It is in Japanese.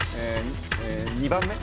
２番目？